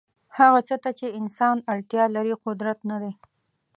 هغه څه ته چې انسان اړتیا لري قدرت نه دی.